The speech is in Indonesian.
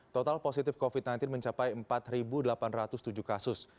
total positif covid sembilan belas mencapai empat delapan ratus tujuh kasus